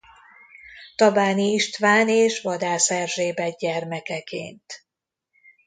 Tabáni István és Vadász Erzsébet gyermekeként.